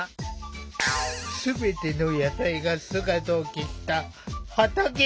全ての野菜が姿を消した畑だった。